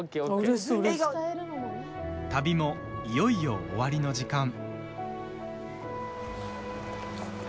旅も、いよいよ終わりの時間。